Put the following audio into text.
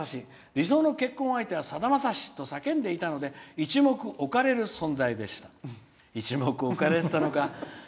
理想の結婚相手はさだまさしと叫んでいたので一目置かれる存在でした。